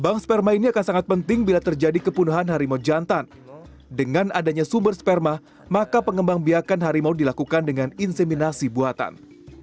bank sperma ini akan sangat penting bila terjadi kepunuhan harimau jantan dengan adanya sumber sperma maka pengembang biakan harimau dilakukan dengan inseminasi buatan